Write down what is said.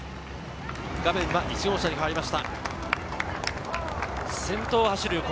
画面は１号車に変わりました。